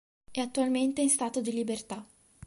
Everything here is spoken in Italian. È attualmente in stato di libertà.